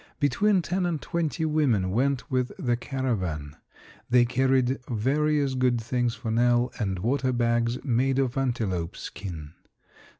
Between ten and twenty women went with the caravan. They carried various good things for Nell and water bags made of antelope skin.